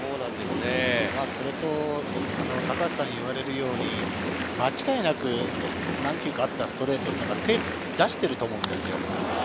それと高橋さんが言われるように、間違いなく何キロあったストレートっていうのは手を出してると思うんですよ。